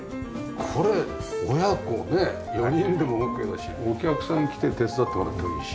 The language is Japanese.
これ親子ね４人でもオーケーだしお客さん来て手伝ってもらってもいいし。